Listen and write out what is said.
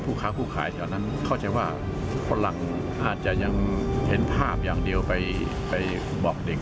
ค้าผู้ขายแถวนั้นเข้าใจว่าฝรั่งอาจจะยังเห็นภาพอย่างเดียวไปบอกเด็ก